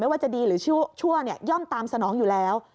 ว่าจะดีหรือชั่วย่อมตามสนองอยู่แล้ว